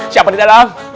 siapa di dalam